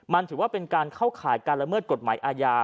มันถือว่าเป็นการเข้าข่ายการละเมิดกฎหมายอาญา